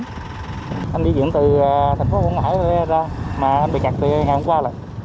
đoạn này có thể diễn từ thành phố vũng ngãi ra mà bị cạt từ ngày hôm qua lại